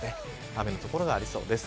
雨の所がありそうです。